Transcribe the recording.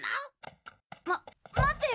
まっ待ってよ！